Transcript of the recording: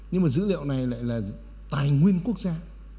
nhưng mà dữ liệu này lại là tài nguyên quốc gia